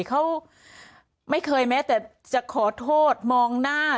เขาไม่เคยแม้แต่จะขอโทษมองหน้า